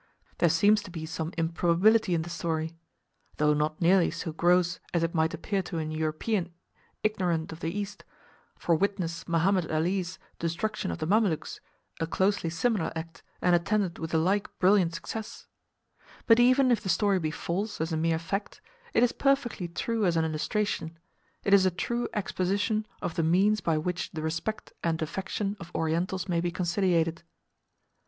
There seems to be some improbability in the story (though not nearly so gross as it might appear to an European ignorant of the East, for witness Mehemet Ali's destruction of the Mamelukes, a closely similar act, and attended with the like brilliant success ), but even if the story be false as a mere fact, it is perfectly true as an illustration—it is a true exposition of the means by which the respect and affection of Orientals may be conciliated.